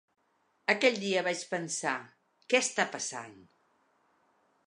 Aquell dia vaig pensar: Què està passant?